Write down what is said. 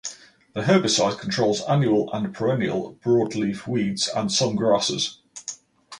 The herbicide controls annual and perennial broadleaf weeds and some grasses.